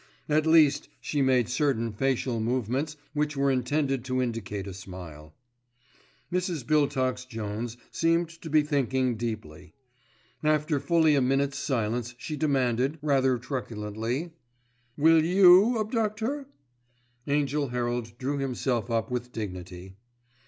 At least, she made certain facial movements which were intended to indicate a smile. Mrs. Biltox Jones seemed to be thinking deeply. After fully a minute's silence she demanded, rather truculently, "Will you abduct her?" Angell Herald drew himself up with dignity.